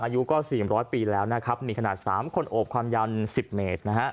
อายุก็๔๐๐ปีแล้วนะครับมีขนาด๓คนโอบความยาว๑๐เมตรนะฮะ